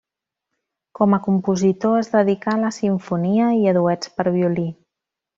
Com a compositor es dedicà a la simfonia, i a duets per a violí.